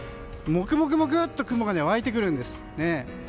もくもくと雲が湧いてくるんです。